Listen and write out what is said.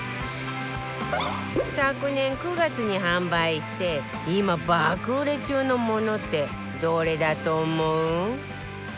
昨年９月に販売して今爆売れ中のものってどれだと思う？